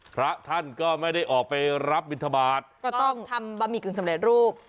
พระท่านก็ไม่ได้ออกไปรับบินทบาทก็ต้องทำบะหมี่กึ่งสำเร็จรูป